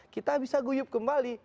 kita bisa guyup kembali